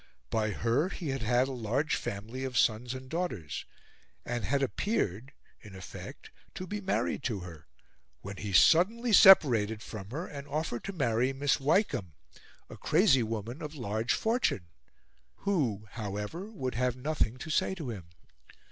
By her he had had a large family of sons and daughters, and had appeared, in effect to be married to her, when he suddenly separated from her and offered to marry Miss Wykeham, a crazy woman of large fortune, who, however, would have nothing to say to him.